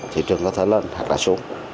thị trường có thể lên hoặc là xuống